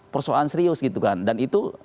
persoalan serius gitu kan dan itu